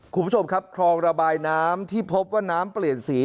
คุณผู้ชมครับคลองระบายน้ำที่พบว่าน้ำเปลี่ยนสี